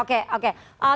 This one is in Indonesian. oke silakan mbak